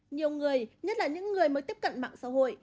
nhiều người nhất là những người mới tiếp cận mạng xã hội